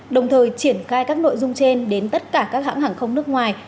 đồng thời triển khai các nội dung trên đến tất cả các hãng hàng không nước ngoài